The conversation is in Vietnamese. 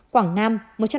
quảng nam một trăm năm mươi ba